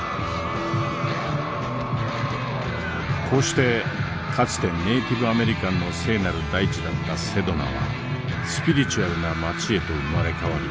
こうしてかつてネイティブ・アメリカンの聖なる大地だったセドナはスピリチュアルな町へと生まれ変わり